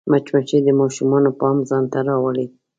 مچمچۍ د ماشومانو پام ځان ته رااړوي